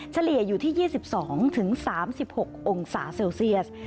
เฉลี่ยอยู่ที่๒๒๓๖องศาเซลเซียส